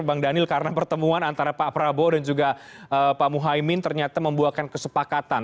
bang daniel karena pertemuan antara pak prabowo dan juga pak muhaymin ternyata membuahkan kesepakatan